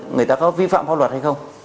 người ta có vi phạm pháp luật hay không